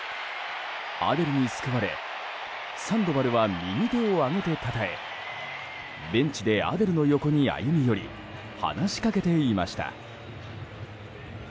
アデルに救われサンドバルは右手を上げてたたえベンチでアデルの横に歩み寄り話しかけていました。